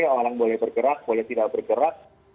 orang boleh bergerak boleh tidak bergerak